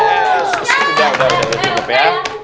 hei hei hei susah udah udah jawab ya